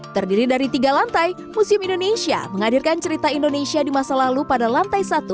terdiri dari tiga lantai museum indonesia menghadirkan cerita indonesia di masa lalu pada lantai satu